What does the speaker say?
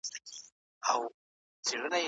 سبا به خلګ په مينه او ورورولۍ سره اختر نمانځي.